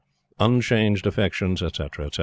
unchanged affections, etc., etc.